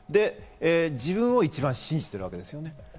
自分を一番信じてるわけです。